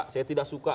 saya tidak suka